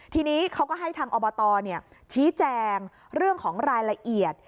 ทีนี้เขาก็ให้ทางอบตชี้แจงเรื่องของรายละเอียด